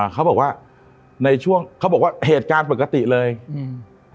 เขาบอกว่าในช่วงเขาบอกว่าเหตุการณ์ปกติเลยอืม